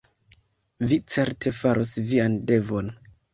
Vi certe faros vian devon.